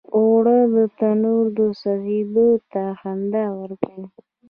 اوړه د تنور سوزیدو ته خندا ورکوي